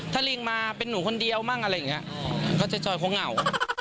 ถ้าลิงมาเป็นหนูคนเดียวอยากทรงแบบนี้ก็จะจอยคู่เนา